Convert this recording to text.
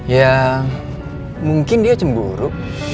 ya mungkin dia cemburu